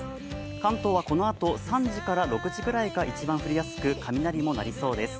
関東はこのあと３時から６時ぐらいまでが一番降りやすく雷も鳴りそうです。